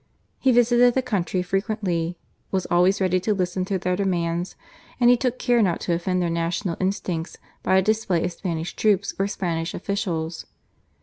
He visited the country frequently, was always ready to listen to their demands, and he took care not to offend their national instincts by a display of Spanish troops or Spanish officials.